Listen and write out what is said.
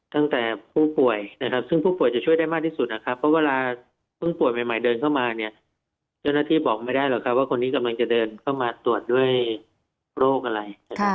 ตั้งแต่ผู้ป่วยนะครับซึ่งผู้ป่วยจะช่วยได้มากที่สุดนะครับเพราะเวลาเพิ่งป่วยใหม่เดินเข้ามาเนี่ยเจ้าหน้าที่บอกไม่ได้หรอกครับว่าคนนี้กำลังจะเดินเข้ามาตรวจด้วยโรคอะไร